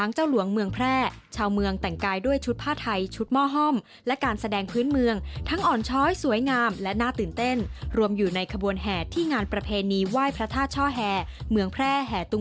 ในเดือนมีนาคมค่ะ